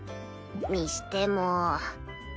にしても